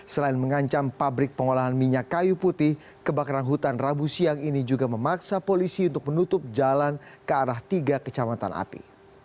selain mengancam pabrik pengolahan minyak kayu putih kebakaran hutan rabu siang ini juga memaksa polisi untuk menutup jalan ke arah tiga kecamatan api